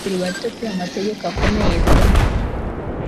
Turi bato pe amategeko akomeye pe